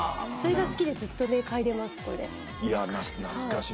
それが好きでずっとかいでます。